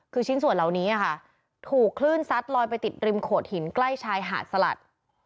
คือชิ้นส่วนเหล่านี้ค่ะถูกคลื่นซัดลอยไปติดริมโขดหินใกล้ชายหาดสลัด